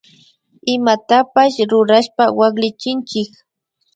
Imatapash rurashpa waklichinchik